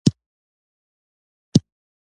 زردالو ونه متوسط قد لري.